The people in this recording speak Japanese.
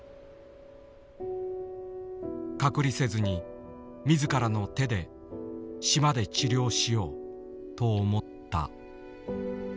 「隔離せずに自らの手で島で治療しよう」と思った。